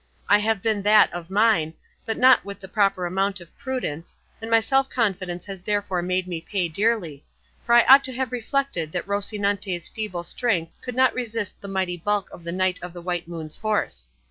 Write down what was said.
I have been that of mine; but not with the proper amount of prudence, and my self confidence has therefore made me pay dearly; for I ought to have reflected that Rocinante's feeble strength could not resist the mighty bulk of the Knight of the White Moon's horse.